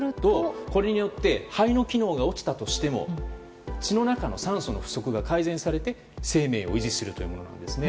これによって肺の機能が落ちたとしても血の中の酸素の不足が改善されて生命を維持するものです。